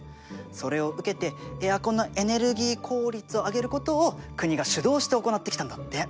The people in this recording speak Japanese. それを受けてエアコンのエネルギー効率を上げることを国が主導して行ってきたんだって。